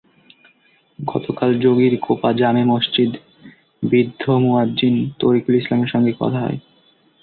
গতকাল যোগীর কোপা জামে মসজিদে বৃদ্ধ মুয়াজ্জিন তরিকুল ইসলামের সঙ্গে কথা হয়।